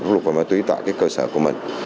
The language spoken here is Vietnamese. các lục và ma túy tại cái cơ sở của mình